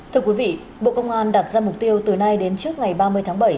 thưa quý vị bộ công an đặt ra mục tiêu từ nay đến trước ngày ba mươi tháng bảy